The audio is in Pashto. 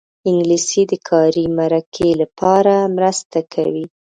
انګلیسي د کاري مرکې لپاره مرسته کوي